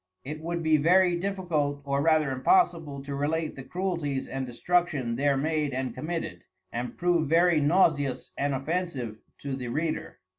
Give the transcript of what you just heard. It would be very difficult or rather impossible to relate the Cruelties and Destruction there made and committed, and prove very nauseous and offensive to the Reader.